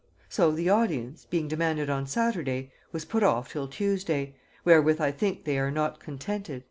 So the audience, being demanded on Saturday, was put off till Tuesday, wherewith I think they are not contented."